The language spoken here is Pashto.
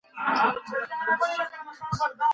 پوهه شریکول هېڅکله تاوان نه لري.